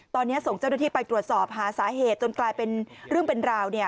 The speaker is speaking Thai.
ตอนนี้ส่งเจ้าหน้าที่ไปตรวจสอบหาสาเหตุจนกลายเป็นเรื่องเป็นราว